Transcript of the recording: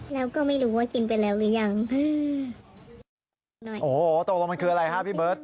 แล้วก็ไม่รู้ว่ากินไปแล้วหรือยังอ๋อตรงรองมันคืออะไรฮะพี่เบิร์ท